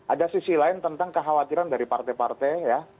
ada sisi lain tentang kekhawatiran dari partai partai ya